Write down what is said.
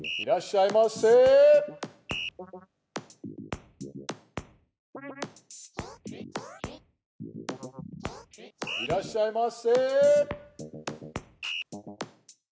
いらっしゃいませ！